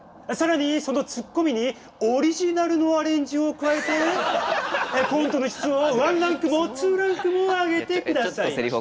さらにそのツッコミにオリジナルのアレンジを加えてコントの質をワンランクもツーランクも上げてくださいました。